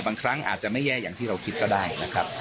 บางครั้งอาจจะไม่แย่อย่างที่เราคิดก็ได้นะครับ